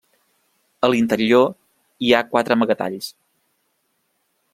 A l'interior hi ha quatre amagatalls.